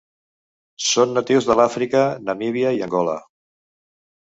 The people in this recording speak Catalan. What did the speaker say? Són natius de l'Àfrica, Namíbia i Angola.